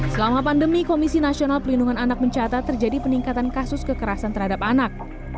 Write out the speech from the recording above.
selama pandemi komisi nasional perlindungan anak mencatat terjadi peningkatan kasus kekerasan terhadap anak